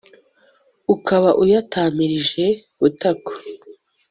ukaba uyatamiirje butako